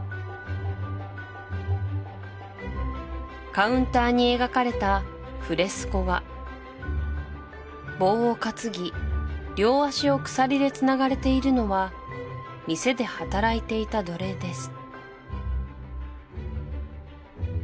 カウンターに描かれたフレスコ画棒を担ぎ両足を鎖でつながれているのは店で働いていた奴隷です